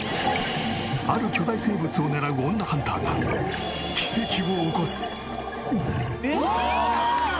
ある巨大生物を狙う女ハンターが奇跡を起こす！